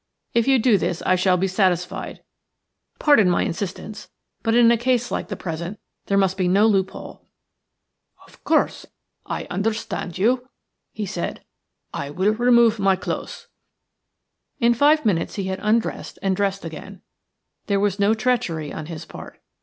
If you do this I shall be satisfied. Pardon my insistence, but in a case like the present there must be no loophole." "EITHER YOU ARE THE SPECTRE, OR IT IS SUPERNATURAL." "Of course, I understand you," he said. "I will remove my clothes." In five minutes he had undressed and dressed again. There was no treachery on his part.